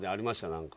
何か。